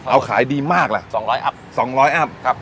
เอาขายดีมากล่ะสองร้อยอับสองร้อยอับครับ